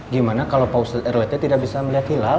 gimana kalau pak ustadz seterwe tidak bisa melihat hilal